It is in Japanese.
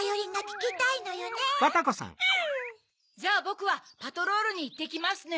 じゃあボクはパトロールにいってきますね。